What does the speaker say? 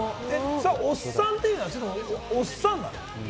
おっさんというのは、「おっさん」なの？